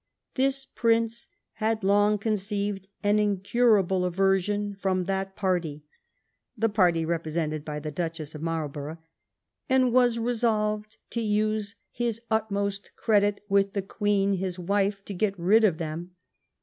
'^ This Prince had long con* ceived an incurable aversion from that party" — ^the party represented by the Duchess of Marlborough — ^'and was resolved to use his utmost credit with the Queen, his wife, to get rid of them.